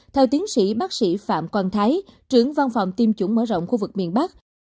theo tiến sĩ bác sĩ phạm quang thái trưởng văn phòng tiêm chủng mở rộng khu vực miền bắc